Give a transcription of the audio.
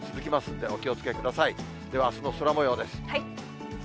ではあすの空もようです。